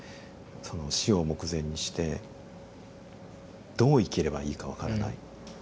その死を目前にしてどう生きればいいか分からない。